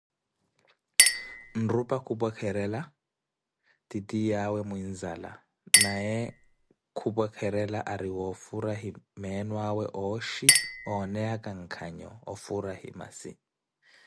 Nrupah khumintirikari titiyawe muinzala, naye kupwekerela ari wofuraye meenoawe oshi oneyaka nkanho, ofurahi maasi